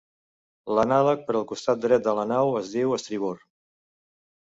L'anàleg per al costat dret de la nau es diu estribord.